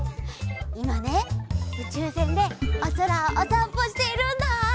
いまねうちゅうせんでおそらをおさんぽしているんだ。